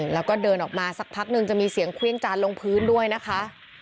แล้วก็เดินออกมาสักพักนึงจะมีเสียงเครื่องจานลงพื้นด้วยนะคะ